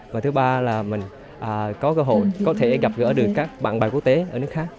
và thứ ba là mình có cơ hội có thể gặp gỡ được các bạn bè quốc tế ở nước khác